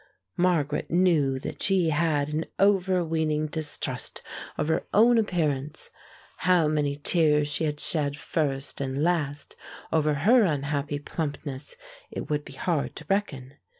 Margaret knew that she had an overweening distrust of her own appearance. How many tears she had shed first and last over her unhappy plumpness it would be hard to reckon.